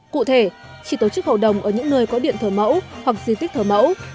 cụ thể chỉ tổ chức hầu đồng ở những nơi có điện thờ mẫu hoặc di tích thờ mẫu